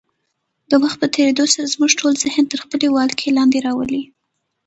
د وخت په تېرېدو سره زموږ ټول ذهن تر خپلې ولکې لاندې راولي.